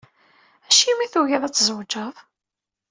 Acimi i tugiḍ ad tzewǧeḍ?